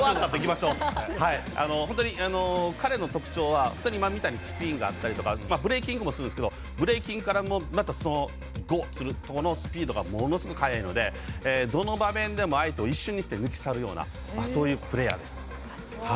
本当に彼の特徴はスピンがあったりブレーキングもするんですけどブレーキングからゴーするときのスピードがものすごく速いのでどの場面でも相手を一瞬に抜き去るようなそういうプレーヤーです。